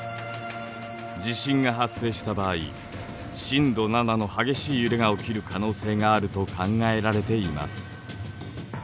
地震が発生した場合震度７の激しい揺れが起きる可能性があると考えられています。